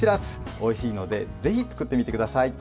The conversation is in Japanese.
おいしいのでぜひ作ってみてください。